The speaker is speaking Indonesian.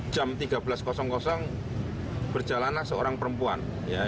jam tiga belas berjalanlah seorang perempuan